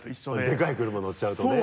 でかい車乗っちゃうとね。